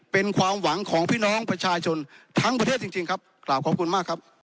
เป็นความหวังของพี่น้องประชาชนทั้งประเทศจริงครับกล่าวขอบคุณมากครับ